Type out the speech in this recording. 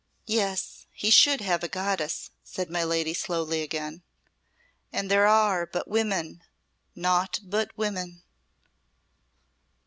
"Yes, he should have a goddess," said my lady slowly again; "and there are but women, naught but women."